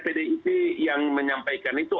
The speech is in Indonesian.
pdip yang menyampaikan itu